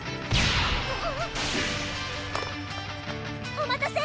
お待たせ！